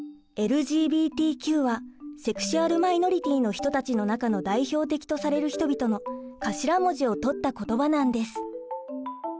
ＬＧＢＴＱはセクシュアル・マイノリティーの人たちの中の代表的とされる人々の頭文字をとった言葉なんです。